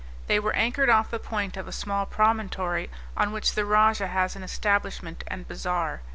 They were anchored off the point of a small promontory, on which the rajah has an establishment and bazaar.